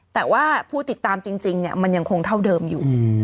แต่ว่าผู้ติดตามจริงมันยังคงเท่าเดิมอยู่